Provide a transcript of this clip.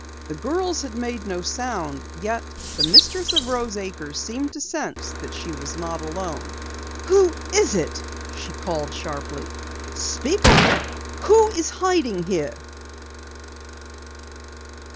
The girls had made no sound, yet the mistress of Rose Acres seemed to sense that she was not alone. "Who is it?" she called sharply. "Speak up! Who is hiding here?"